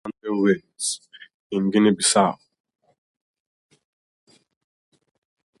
There are no railways in Guinea-Bissau.